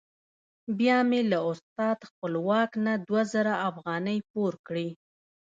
بیا مې له استاد خپلواک نه دوه زره افغانۍ پور کړې.